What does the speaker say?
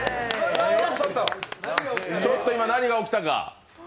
ちょっと今、何が起きたか。